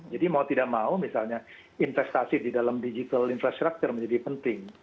jadi mau tidak mau misalnya investasi di dalam digital infrastructure menjadi penting